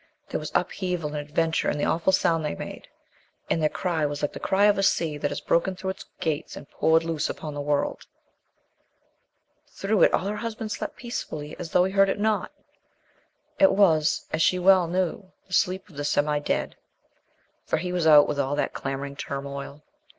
There was upheaval and adventure in the awful sound they made, and their cry was like the cry of a sea that has broken through its gates and poured loose upon the world.... Through it all her husband slept peacefully as though he heard it not. It was, as she well knew, the sleep of the semi dead. For he was out with all that clamoring turmoil.